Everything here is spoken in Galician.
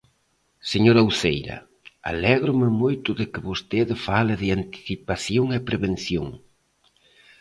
Señora Uceira, alégrome moito de que vostede fale de anticipación e prevención.